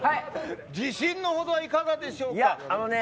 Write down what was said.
自信のほどはいかがでしょうか。